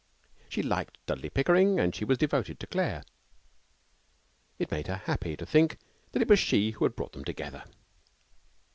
She liked Dudley Pickering and she was devoted to Claire. It made her happy to think that it was she who had brought them together.